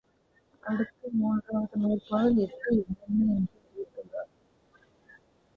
அடுத்து மூன்றாவது நூற்பாவில் எட்டு என்னென்ன என்று அறிவித்துள்ளார்.